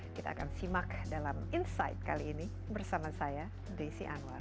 kita akan simak dalam insight kali ini bersama saya desi anwar